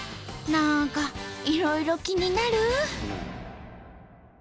なんかいろいろ気になる！